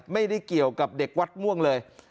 ไม่ได้เกี่ยวกับเด็กวัดม่วงเลย